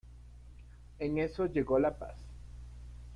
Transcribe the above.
En eso llegó la paz.